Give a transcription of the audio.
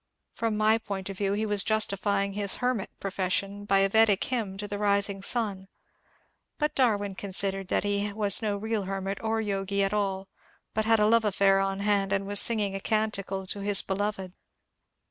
From my point of view he was justifying his " hermit " profession by a Vedic hymn to the rising sun, but Darwin considered that he was no real hermit or yogi at all, but had a love affair on hand and was singing a canticle to his beloved.